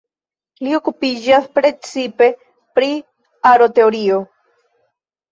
Li okupiĝas precipe pri Aroteorio.